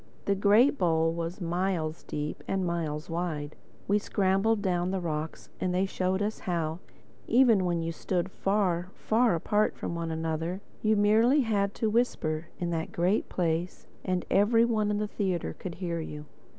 The great bowl was miles deep and miles wide. We scrambled down the rocks and they showed us how, even when you stood far, far apart from one another, you merely had to whisper in that great place and every one in the theatre could hear you.